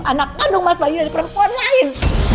anak kandung mas bayu dari perempuan lain